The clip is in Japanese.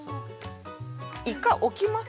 １回置きます？